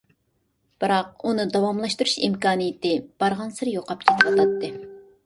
بىراق، ئۇنى داۋاملاشتۇرۇش ئىمكانىيىتى بارغانسېرى يوقاپ كېتىۋاتاتتى.